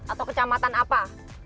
atau kecamatan apa